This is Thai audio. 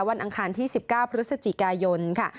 อังคารที่๑๙พฤศจิกายนค่ะ